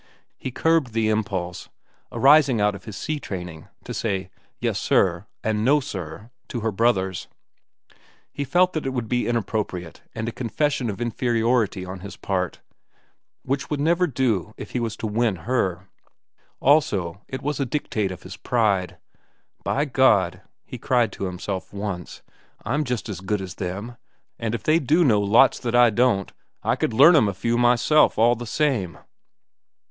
He curbed the impulse, arising out of his sea training, to say "Yes, sir," and "No, sir," to her brothers. He felt that it would be inappropriate and a confession of inferiority on his part—which would never do if he was to win to her. Also, it was a dictate of his pride. "By God!" he cried to himself, once; "I'm just as good as them, and if they do know lots that I don't, I could learn 'm a few myself, all the same!"